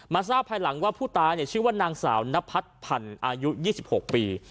ทราบภายหลังว่าผู้ตายชื่อว่านางสาวนพัดพันธ์อายุ๒๖ปี